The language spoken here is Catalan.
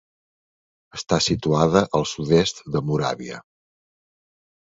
Està situada al sud-est de Moràvia.